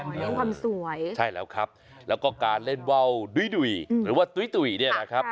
มีความสวยใช่แล้วครับแล้วก็การเล่นว่าวดุ้ยดุ๋ยหรือว่าตุ๋ยตุ๋ยเนี่ยนะครับ